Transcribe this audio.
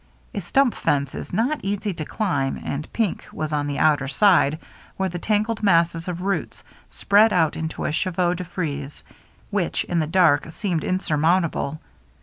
A stump fence is not easy to climb, and Pink was on the outer side, where the tangled masses of roots spread out into a cheveau de frise which, in the dark, seemed insurmountable.